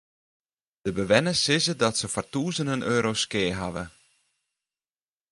De bewenners sizze dat se foar tûzenen euro's skea hawwe.